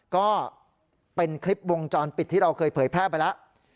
ก็เป็นคลิปวงจรปิดที่เราเคยเผยแพร่ไปแล้ว